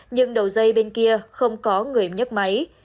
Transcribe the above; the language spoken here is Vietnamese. nhưng đầu dây bên kia không có người nhấc máy